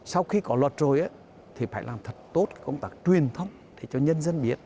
sau khi có luật rồi thì phải làm thật tốt công tác truyền thống để cho nhân dân biết